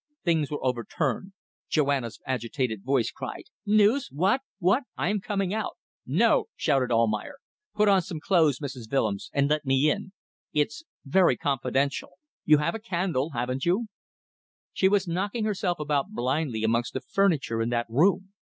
Things were overturned. Joanna's agitated voice cried "News! What? What? I am coming out." "No," shouted Almayer. "Put on some clothes, Mrs. Willems, and let me in. It's ... very confidential. You have a candle, haven't you?" She was knocking herself about blindly amongst the furniture in that room.